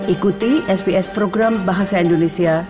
ikuti sps program bahasa indonesia